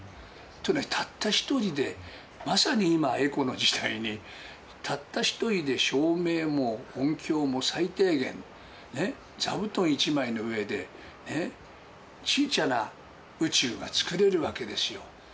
っていうのは、たった一人でまさに今、エコの時代に、たった一人で照明も音響も最低限ね、座布団１枚の上で、ちいちゃな宇宙がつくれるわけですよ。